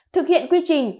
thực hiện quy trình